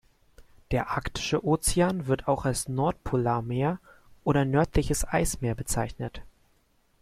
Der Arktische Ozean, wird auch als Nordpolarmeer oder nördliches Eismeer bezeichnet.